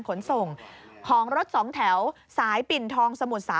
ที่ตรงข้างหน้าไปโพรแจ่ค่ะ